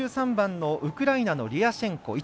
５３番のウクライナのリアシェンコ。